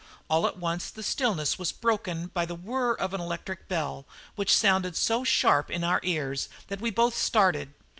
All at once the stillness was broken by the whirr of the electric bell, which sounded so sharply in our ears that we both started.